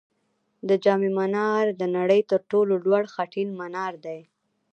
د جام منار د نړۍ تر ټولو لوړ خټین منار دی